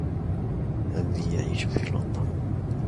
عمي يعيش في لندن.